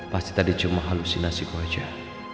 pasti tadi cuma halusinasi wajah